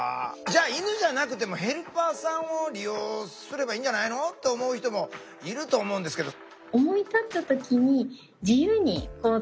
じゃあ犬じゃなくてもヘルパーさんを利用すればいいんじゃないの？と思う人もいると思うんですけど。